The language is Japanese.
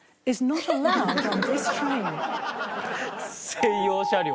専用車両ね。